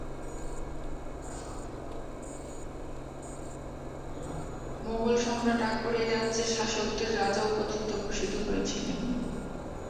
মোগল সম্রাট আকবর এই রাজ্যের শাসকদের রাজা উপাধিতে ভূষিত করেছিলেন।